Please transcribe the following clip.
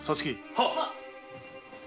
はっ。